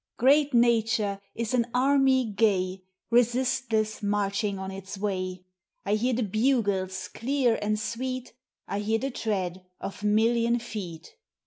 Great Nature is an army gay, Resistless marching on its way ; I hear the bugles clear and sweet, I hear the tread of million feet.